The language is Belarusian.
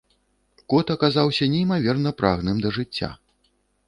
Кот аказаўся неймаверна прагным да жыцця.